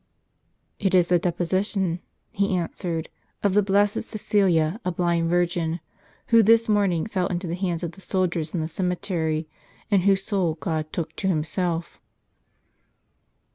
" It is the dejjosition,'' he answered, " of the blessed Caecilia, a blind virgin, who this morning fell into the hands of the soldiers, in this cemetery, and whose soul God took to Himself."